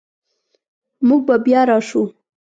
موږ به بیا راشو